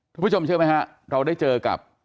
ผู้ชมเชื่อไหมฮะเราได้เจอกับ